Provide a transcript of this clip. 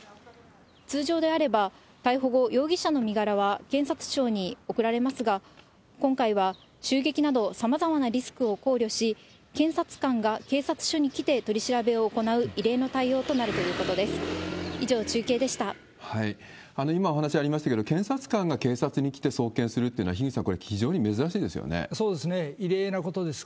通常であれば、逮捕後、容疑者の身柄は検察庁に送られますが、今回は襲撃などさまざまなリスクを考慮し、検察官が警察署に来て取り調べを行う異例の対応となるということです。